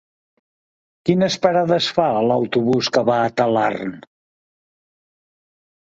Quines parades fa l'autobús que va a Talarn?